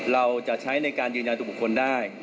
เราจะใช้ในการยืนยันตัวบุคคลได้